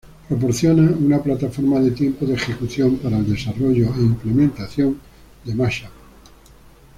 Proporciona una plataforma de tiempo de ejecución para el desarrollo e implementación de mashups.